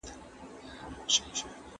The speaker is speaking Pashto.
باسواده ميرمن به خپل خاوند بيسواده نه پريږدي.